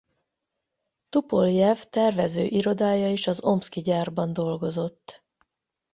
Tupoljev tervezőirodája is az omszki gyárban dolgozott.